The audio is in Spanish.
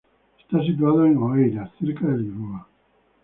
Está situado en Oeiras, cerca de Lisboa.